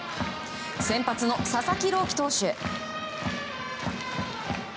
先発の佐々木朗希投手。